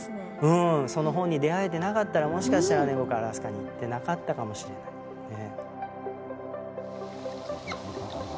うんその本に出会えてなかったらもしかしたら僕アラスカに行ってなかったかもしれないね。